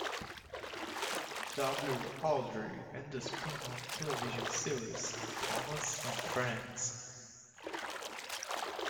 W. Awdry, and the spin-off television series Thomas and Friends.